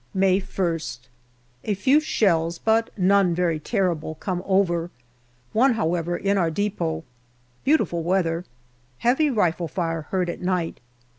MAY May \st. A FEW shells, but none very terrible, come over; one, however, in our depot. Beautiful weather. Heavy rifle fire heard at night.